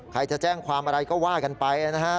ใครจะแจ้งความอะไรก็ว่ากันไปนะฮะ